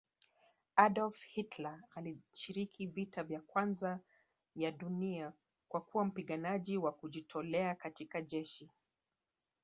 Adolf Hilter alishiriki vita ya kwanza ya dunia kwakuwa mpiganaji Wa kujitolea katika jeshi